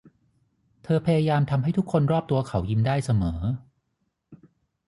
เธอพยายามทำให้ทุกคนรอบตัวเขายิ้มได้เสมอ